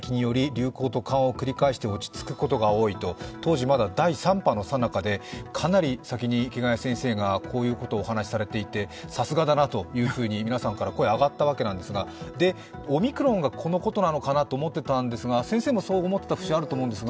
当時まだ第３波の最中で、かなり先に池谷先生がこういうことをお話しされていてさすがだなというふうに皆さんから声が上がったわけなんですが、オミクロンがこのことなのかなと思っていたんですが、先生もそう思っていた節があるかと思うのですが。